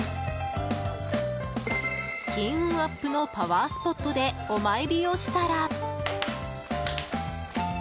金運アップのパワースポットでお参りをしたら。